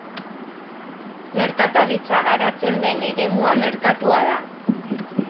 Merkataritza garatzen den eremua merkatua da.